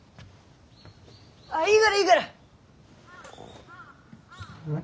ああいいがらいいがら。